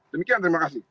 demikian terima kasih